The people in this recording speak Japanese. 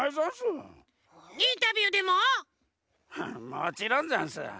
もちろんざんす。